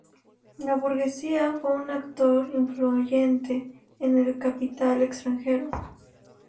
La burguesía fue un actor influyente en el capital extranjero.